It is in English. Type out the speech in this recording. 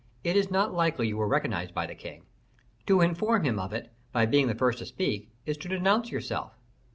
It is not likely you were recognized by the king. To inform him of it, by being the first to speak, is to denounce yourself."